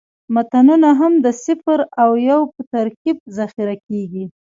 متنونه هم د صفر او یو په ترکیب ذخیره کېږي.